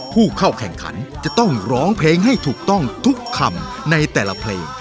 ผู้เข้าแข่งขันจะต้องร้องเพลงให้ถูกต้องทุกคำในแต่ละเพลง